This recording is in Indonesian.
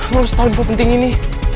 lu harus tahu info penting ini